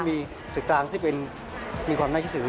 มีสื่อกลางที่มีความน่าคิดถึง